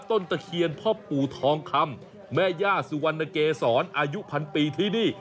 ตะเคียนพ่อปู่ทองคำแม่ย่าสุวรรณเกษรอายุพันปีที่นี่